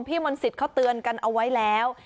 พี่มนต์สิตเขาเตือนกันเอาไว้แล้ว